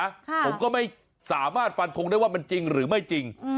ผมก็ไม่สามารถฟันทงได้ว่ามันจริงหรือไม่จริง